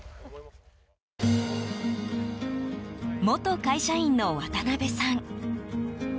元会社員の渡邊さん。